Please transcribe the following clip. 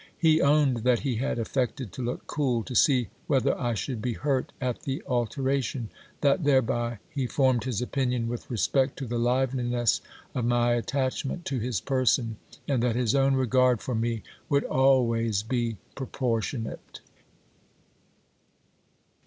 He owned that he had affected to look cool, to see whether I should be hurt at the alteration ; that thereby he formed his opinion with re spect to the liveliness of my attachment to his person, and that his own regard for me would always be proportionate.